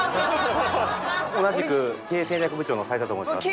同じく経営戦略部長の齊田と申します。